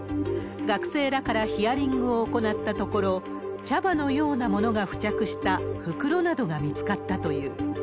学生らからヒアリングを行ったところ、茶葉のようなものが付着した袋などが見つかったという。